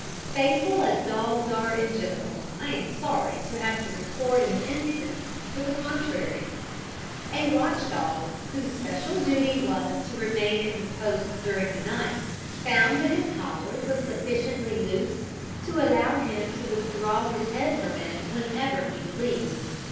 Faithful as dogs are in general, I am sorry to have to record an instance to the contrary. A watch dog, whose special duty was to remain at his post during the night, found that his collar was sufficiently loose to allow him to withdraw his head from it whenever he pleased.